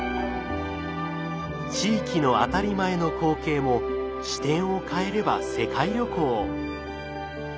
地域の当たり前の光景も視点を変えれば世界旅行。